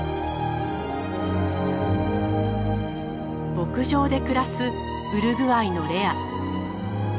牧場で暮らすウルグアイのレア。